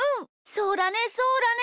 そうだねそうだね！